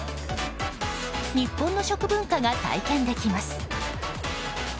日本の食文化が体験できます。